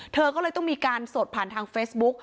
เธอก็เลยต้องมีการสดผ่านทางเฟซบุ๊ก